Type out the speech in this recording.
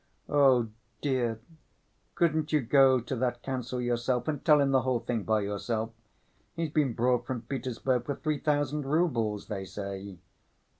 "Oh, dear! couldn't you go to that counsel yourself and tell him the whole thing by yourself? He's been brought from Petersburg for three thousand roubles, they say."